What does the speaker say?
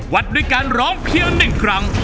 วัดด้วยการร้องเพียง๑ครั้ง